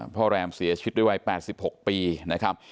แรมเสียชีวิตด้วยวัย๘๖ปีนะครับ